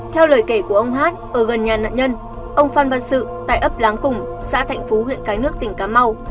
theo lời kể của ông hát ở gần nhà nạn nhân ông phan văn sự tại ấp láng cùng xã thạnh phú huyện cái nước tỉnh cà mau